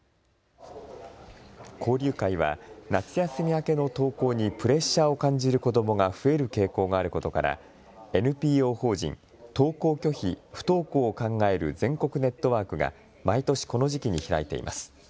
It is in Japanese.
交流会は夏休み明けの登校にプレッシャーを感じる子どもが増える傾向があることからＮＰＯ法人登校拒否・不登校を考える全国ネットワークが毎年この時期に開いています。